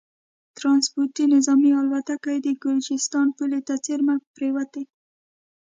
ټرانسپورټي نظامي الوتکه یې د ګرجستان پولې ته څېرمه پرېوتې